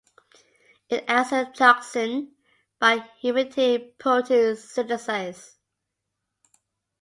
It acts as a toxin by inhibiting protein synthesis.